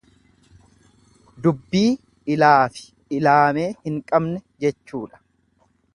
Dubbii ilaafi ilaamee hin qabne jechuudha.